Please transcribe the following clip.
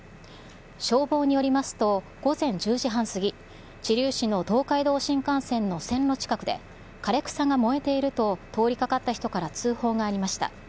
消防によりますと、午前１０時半過ぎ、知立市の東海道新幹線の線路近くで、枯れ草が燃えていると、通りかかった人から通報がありました。